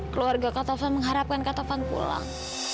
keluarga ketuhan mengharapkan ketuhan pulang